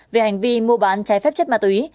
về hành vi mua bán trái phép chất ma túy